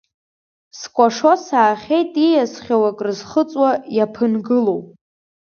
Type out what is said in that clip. Скәашо саахьеит ииасхьоу акрызхыҵуа иаԥынгылоу…